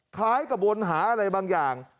คล้ายกับวนหาอะไรบางอย่าง